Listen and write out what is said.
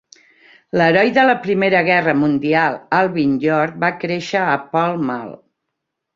L'heroi de la Primera Guerra Mundial, Alvin York, va créixer a Pall Mall.